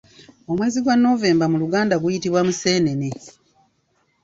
Omwezi gwa November mu luganda guyitibwa Museenene.